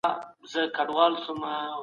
د سیاست په ډګر کي اخلاق مهم دي.